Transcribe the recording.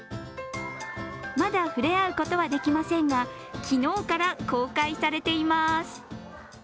まだ触れ合うことはできませんが昨日から公開されています。